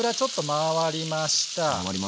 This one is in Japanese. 回りました！